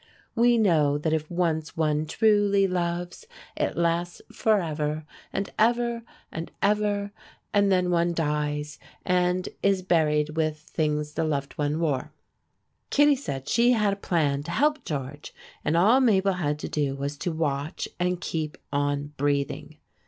We know that if once one truly loves it lasts forever and ever and ever, and then one dies and is buried with things the loved one wore. Kittie said she had a plan to help George, and all Mabel had to do was to watch and keep on breathing.